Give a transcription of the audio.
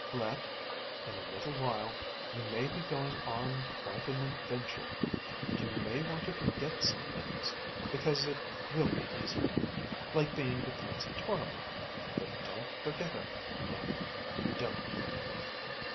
"Let, in a little while, you may be going on quite an adventure, and you may want to forget some things, because it will be easier. Like being the prince of Toromon. But don't forget it, Let. Don't."